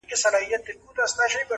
کلي مو وسوځیږي.!